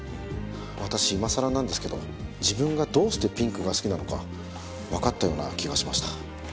私今さらなんですけど自分がどうしてピンクが好きなのかわかったような気がしました。